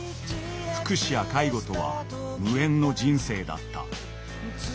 福祉や介護とは無縁の人生だった。